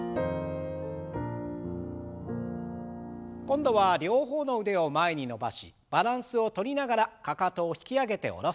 今度は両方の腕を前に伸ばしバランスをとりながらかかとを引き上げて下ろす運動。